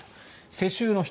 世襲の人